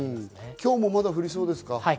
今日もまだ降りそうですか？